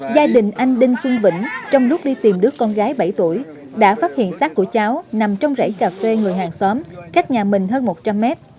gia đình anh đinh xuân vĩnh trong lúc đi tìm đứa con gái bảy tuổi đã phát hiện sát của cháu nằm trong rẫy cà phê người hàng xóm cách nhà mình hơn một trăm linh mét